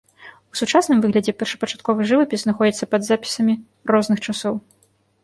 У сучасным выглядзе першапачатковы жывапіс знаходзіцца пад запісамі розных часоў.